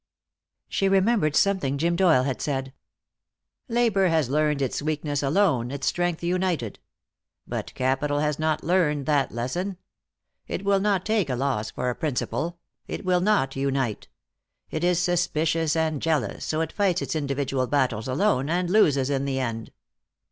She remembered something Jim Doyle had said: "Labor has learned its weakness alone, its strength united. But capital has not learned that lesson. It will not take a loss for a principle. It will not unite. It is suspicious and jealous, so it fights its individual battles alone, and loses in the end."